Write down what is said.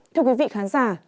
thưa quý vị khán giả